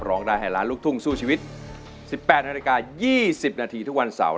ร้องได้ให้ล้านลูกทุ่งสู้ชีวิต๑๘นาฬิกา๒๐นาทีทุกวันเสาร์